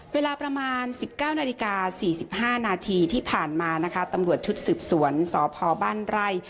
เวลาประมาณ๑๙นาฬิกา๔๕นาทีที่ผ่านมานะคะตำรวจชุดสืบสวนสพบ้านไร่